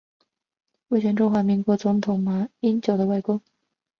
为前中华民国总统马英九的外公。